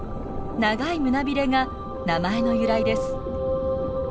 長い胸ビレが名前の由来です。